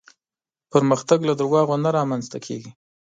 پرمختګ له دروغو نه رامنځته کېږي.